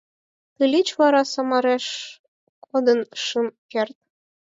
Тылеч вара Самареш кодын шым керт.